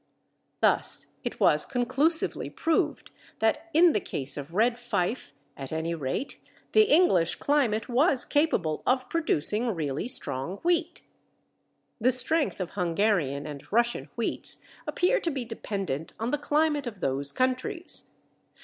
Thus it was conclusively proved that in the case of Red Fife at any rate the English climate was capable of producing really strong wheat. The strength of Hungarian and Russian wheats appear to be dependent on the climate of those countries.